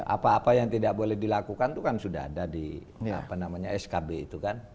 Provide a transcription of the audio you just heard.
apa apa yang tidak boleh dilakukan itu kan sudah ada di skb itu kan